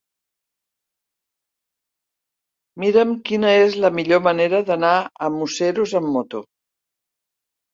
Mira'm quina és la millor manera d'anar a Museros amb moto.